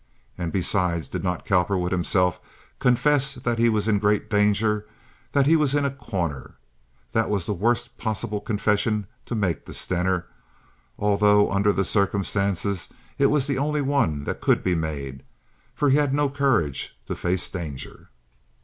And besides, did not Cowperwood himself confess that he was in great danger—that he was in a corner. That was the worst possible confession to make to Stener—although under the circumstances it was the only one that could be made—for he had no courage to face danger.